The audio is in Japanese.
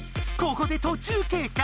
ここでとちゅうけいか。